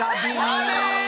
あれ！